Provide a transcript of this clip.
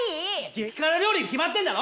激辛料理に決まってんだろ！